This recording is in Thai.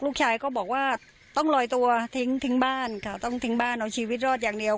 ลูกชายก็บอกว่าต้องลอยตัวทิ้งบ้านค่ะต้องทิ้งบ้านเอาชีวิตรอดอย่างเดียว